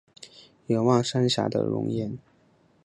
远望三峡的容颜